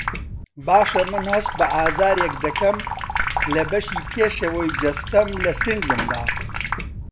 باشه من هەست بە ئازارێک دەکەم لە بەشی پێشەوەی جەستەم له سنگمدا